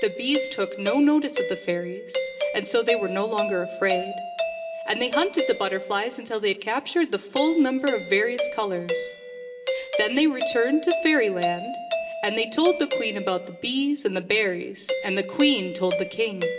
The bees took no notice of the fairies, and so they were no longer afraid, and they hunted the butterflies until they had captured the full num ber of various colors. Then they returned to fairyland, and they told the queen about the bees and the berries, and the queen told the king.